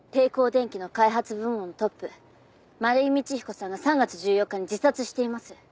電機の開発部門のトップ丸井道彦さんが３月１４日に自殺しています。